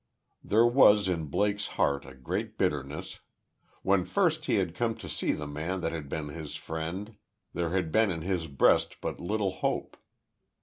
There was in Blake's heart a great bitterness. When first he had come to see the man that had been his friend, there had been in his breast but little hope.